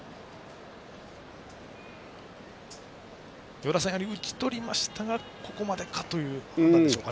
与田さん、打ち取りましたがここまでということでしょうか。